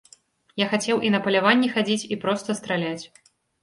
Я хацеў і на паляванні хадзіць, і проста страляць.